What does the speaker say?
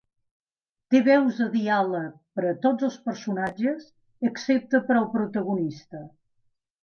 Té veus de diàleg per a tots els personatges excepte per al protagonista.